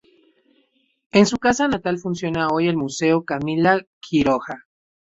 En su casa natal funciona hoy el Museo Camila Quiroga.